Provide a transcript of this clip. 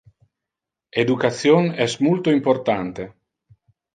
Education es multo importante.